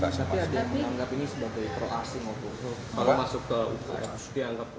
tapi dianggap ini sebagai pro asing waktu itu